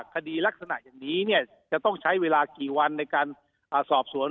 คดีลักษณะอย่างนี้จะต้องใช้เวลากี่วันในการสอบสวน